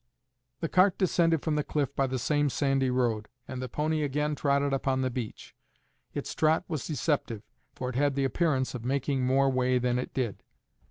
The cart descended from the cliff by the same sandy road, and the pony again trotted upon the beach; its trot was deceptive, for it had the appearance of making more way than it did.